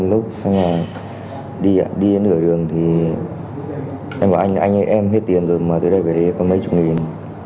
lúc sang nhà đi đi đến nửa đường thì em và anh em hết tiền rồi mà từ đây về đây có mấy chục nghìn